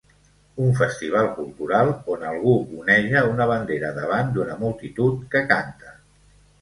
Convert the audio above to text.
Un festival cultural on algú oneja una bandera davant d'una multitud que canta.